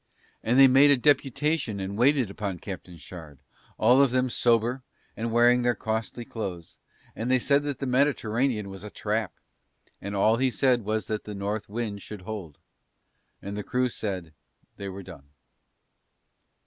And they made a deputation and waited upon Captain Shard, all of them sober and wearing their costly clothes, and they said that the Mediterranean was a trap, and all he said was that the North wind should hold. And the crew said they were done.